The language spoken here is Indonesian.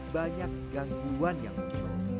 banyak gangguan yang muncul